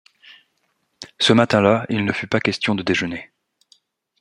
Ce matin-là, il ne fut pas question de déjeuner.